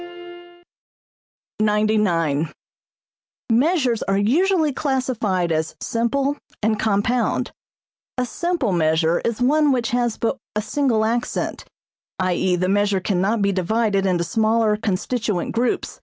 [Illustration: Fig. 56.] 99. Measures are usually classified as simple and compound. A simple measure is one which has but a single accent, i.e., the measure cannot be divided into smaller constituent groups.